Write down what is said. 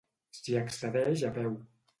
S'hi accedeix a peu.